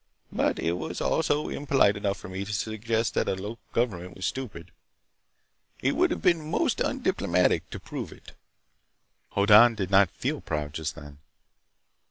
But also it was impolite enough for me to suggest that the local government was stupid. It would have been most undiplomatic to prove it." Hoddan did not feel very proud, just then.